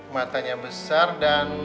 matanya besar dan